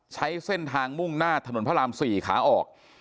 ใช้เส้นทางมุ่งหน้าถนนพระราม๔ขาออก